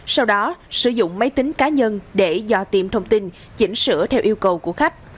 sau đó sử dụng máy tính cá nhân để do tiệm thông tin chỉnh sửa theo yêu cầu của khách